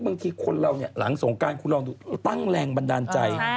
บางทีคนเราเนี่ยหลังสงการคุณลองดูตั้งแรงบันดาลใจ